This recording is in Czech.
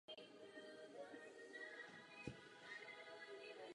Otázka schvalování vzbudila velkou diskusi.